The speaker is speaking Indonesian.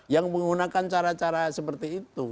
yang menggunakan cara cara seperti itu